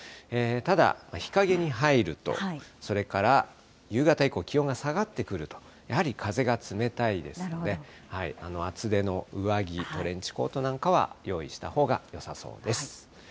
ただ、日陰に入ると、それから夕方以降、気温が下がってくると、やはり風が冷たいですので、厚手の上着、トレンチコートなんかは用意したほうがよさそうです。